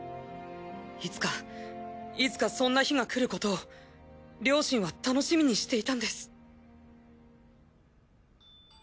いつかいつかそんな日がくることを両親は楽しみにしていたんです。